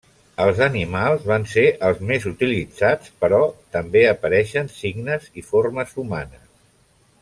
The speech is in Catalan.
Els animals van ser els més utilitzats però també apareixen signes i formes humanes.